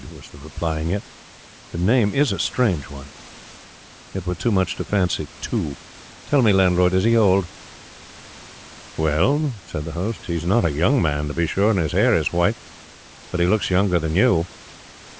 was the reply. 'And yet the name is a strange one; it were too much to fancy two. Tell me, landlord, is he old?' 'Well,' said the host, 'he's not a young man, to be sure, and his hair is white; but he looks younger than you.